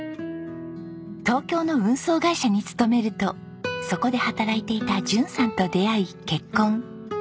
東京の運送会社に勤めるとそこで働いていた淳さんと出会い結婚。